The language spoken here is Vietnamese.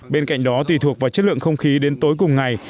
bên cạnh đó tùy thuộc vào chất lượng không khí đến tối cùng ngày